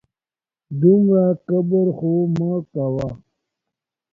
دومره کبر خو مه کوه